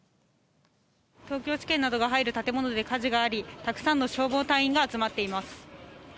東京地検などが入る建物で火事があり、たくさんの消防隊員が集まっています。